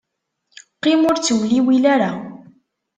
Qqim ur ttewliwil ara.